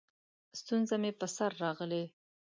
ستونزه مې په سر راغلې؛